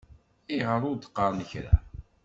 Ayɣer ur d-qqaṛen kra?